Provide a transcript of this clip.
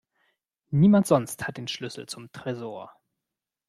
Niemand sonst hat den Schlüssel zum Tresor.